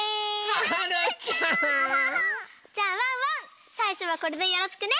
はるちゃん！じゃあワンワンさいしょはこれでよろしくね！